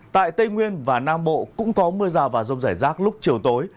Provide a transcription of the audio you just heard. tại tây nguyên và nam bộ cũng có mưa rào và rông rải rác lúc chiều tối